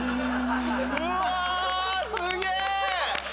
うわすげえ！